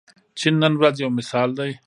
چین نن ورځ یو مثال دی.